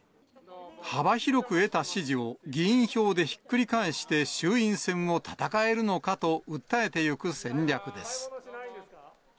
幅広く得た支持を議員票でひっくり返して衆院選を戦えるのかと訴えていく戦略です。